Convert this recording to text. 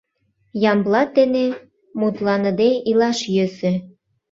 Ямблат дене мутланыде илаш йӧсӧ.